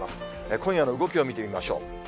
今夜の動きを見てみましょう。